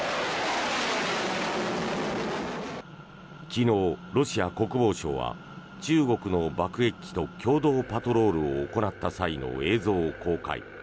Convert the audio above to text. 昨日、ロシア国防省は中国の爆撃機と共同パトロールを行った際の映像を公開。